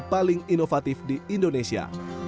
paling inovatif di indonesia